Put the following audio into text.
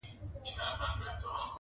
د دې شهید وطن په برخه څه زامن راغلي!!